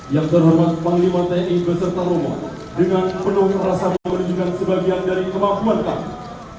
yang terhormat panglima tni beserta romo dengan penuh alasan menunjukkan sebagian dari kemampuan kami